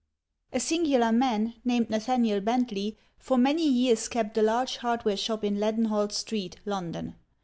[A singular man, named Nathaniel Bentley, for many years kept a large hardware shop in Leadenhall Street, London.